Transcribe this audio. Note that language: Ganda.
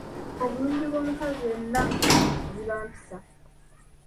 Obulungi bw’omukazi yenna ziba mpisa.